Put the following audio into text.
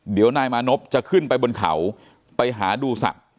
เดี๋ยวนายมานพจะขึ้นไปบนเขาไปหาดูสัตว์